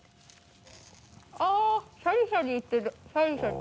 あぁシャリシャリいってるシャリシャリ。